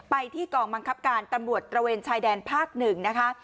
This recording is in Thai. ไปที่กองบังคับการตำรวจตระเวนชายแดนภาค๑นะคะ